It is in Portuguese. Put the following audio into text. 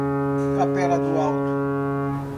Capela do Alto